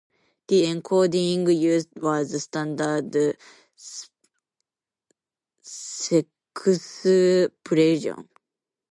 The encoding used was standard S-expression.